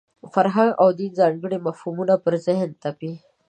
فرهنګ او دین ځانګړي مفهومونه پر ذهن تپي.